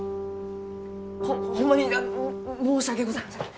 ホンマに申し訳ございません。